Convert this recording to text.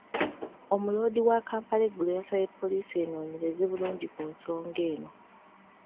Omuloodi wa Kampala eggulo yasabye poliisi enoonyereze bulungi ku nsonga eno.